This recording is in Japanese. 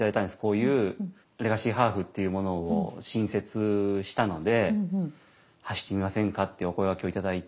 こういうレガシーハーフっていうものを新設したので走ってみませんかってお声がけを頂いて。